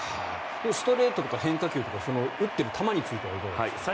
ストレートとか変化球とか打っている球については。